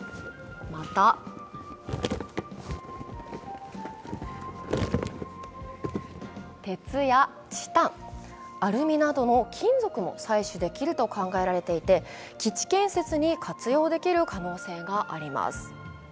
また、鉄やチタン、アルミなどの金属も採取できると考えられていて基地建設に活用できる可能性があります。